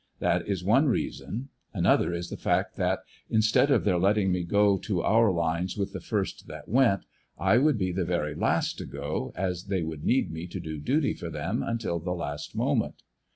That is. one reason. Another is the fact that instead of their letting me go to our lines with the first that went, I would be the very last to go, as they would need me to do duty for them until the last moment.